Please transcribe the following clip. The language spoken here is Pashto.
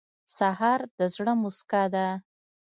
سهار د زړه موسکا ده.